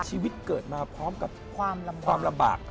ชีวิตเกิดมาพร้อมกับความลำบาก